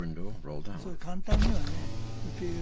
そう簡単にはね受け入れられない。